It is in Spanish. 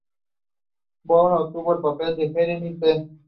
Bourne obtuvo el papel de Jeremy Tell.